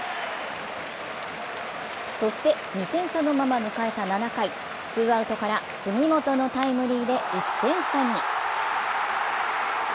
そして、２点差のまま迎えた７回、ツーアウトから杉本のタイムリーで１点差に。